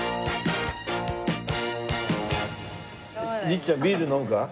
律ちゃんビール飲むか？